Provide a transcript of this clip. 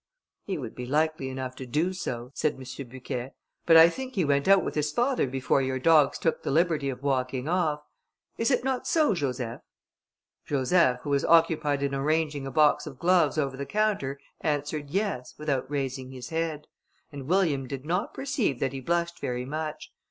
"He would be likely enough to do so," said M. Bucquet; "but I think he went out with his father before your dogs took the liberty of walking off. Is it not so, Joseph?" Joseph, who was occupied in arranging a box of gloves over the counter, answered "Yes," without raising his head, and William did not perceive that he blushed very much.